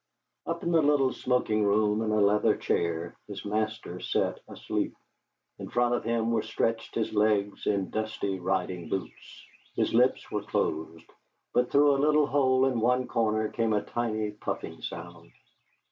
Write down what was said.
Up in the little smoking room in a leather chair his master sat asleep. In front of him were stretched his legs in dusty riding boots. His lips were closed, but through a little hole at one corner came a tiny puffing sound.